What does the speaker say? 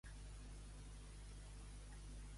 Els pares de Carey volien que fos ministre luterà.